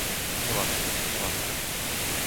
Milada, Miladka